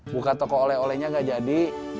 buka toko oleh olehnya gak jadi